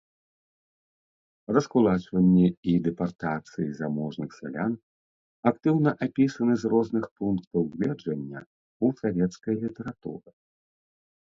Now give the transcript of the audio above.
Раскулачванне і дэпартацыі заможных сялян актыўна апісаны з розных пунктаў гледжання ў савецкай літаратуры.